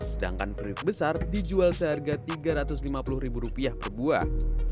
sedangkan periuk besar dijual seharga rp tiga ratus lima puluh per buah